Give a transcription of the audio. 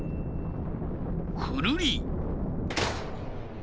くるり。